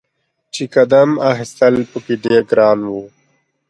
چې قدم اخیستل په کې ډیر ګران و.